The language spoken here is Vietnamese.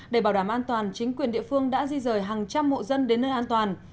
để bảo đảm an toàn chính quyền địa phương đã di rời hàng trăm hộ dân đến nơi an toàn